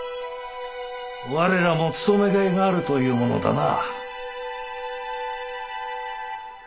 我らもつとめがいがあるというものだな。